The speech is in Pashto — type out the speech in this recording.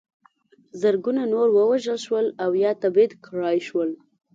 زرګونه نور ووژل شول او یا تبعید کړای شول.